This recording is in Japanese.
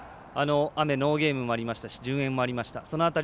あの雨ノーゲームもありましたし順延もありました。